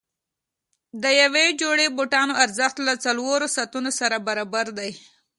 د یوې جوړې بوټانو ارزښت له څلورو ساعتونو سره برابر دی.